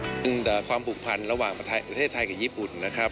ซึ่งความผูกพันระหว่างประเทศไทยกับญี่ปุ่นนะครับ